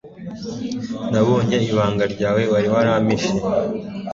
nabonye ibanga ryawe wari warampishe